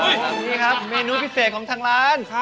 นี่ครับเมนูพิเศษของทางร้าน